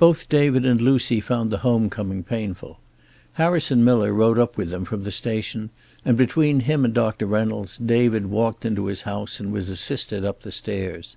Both David and Lucy found the home coming painful. Harrison Miller rode up with them from the station, and between him and Doctor Reynolds David walked into his house and was assisted up the stairs.